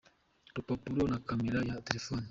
uruparuro na camera ya telefone.